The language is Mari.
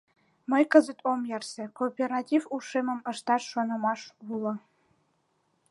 Мый кызыт ом ярсе, кооператив ушемым ышташ шонымаш уло...